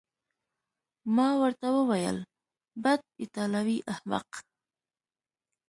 ما ورته وویل: بد، ایټالوی احمق.